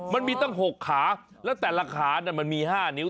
มันมีตั้ง๖ขาแล้วแต่ละขามันมี๕นิ้ว